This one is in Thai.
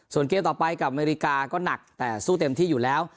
ส่วนเกมต่อไปกับอเมริกาก็หนักแต่สู้เต็มที่อยู่แล้ว